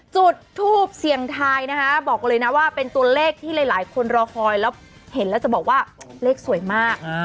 จุดทูปเสี่ยงทายนะคะบอกเลยนะว่าเป็นตัวเลขที่หลายคนรอคอยแล้วเห็นแล้วจะบอกว่าเลขสวยมาก